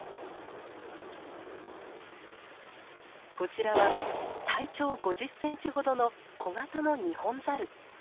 こちらは体長５０センチほどの小型のニホンザル。